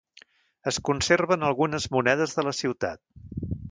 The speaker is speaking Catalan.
Es conserven algunes monedes de la ciutat.